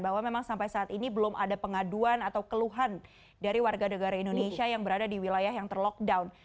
bahwa memang sampai saat ini belum ada pengaduan atau keluhan dari warga negara indonesia yang berada di wilayah yang terlockdown